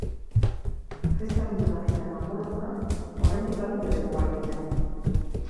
Festa giroak eta danbor hotsek oraindik badute lekua hirian.